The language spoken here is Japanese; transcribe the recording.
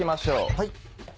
はい！